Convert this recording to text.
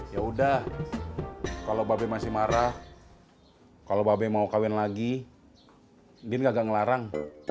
ya udah kalau babi masih marah kalau babi mau kawin lagi dia nggak ngelarang